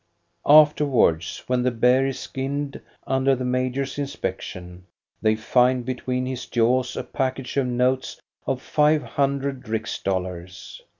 Afterwards, when the bear is skinned under the major's inspection, they find between his jaws a package of notes of five hundred rix doUars.